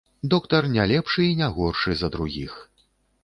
Доктар не лепшы і не горшы за другіх.